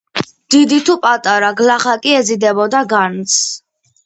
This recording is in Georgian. დიდი თუ პატარა, გლახაკი ეზიდებოდა განძს.